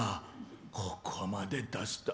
ここまで出すとは。